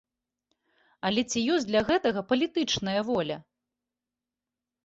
Але ці ёсць для гэтага палітычная воля?